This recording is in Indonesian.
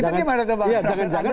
itu dimana teman teman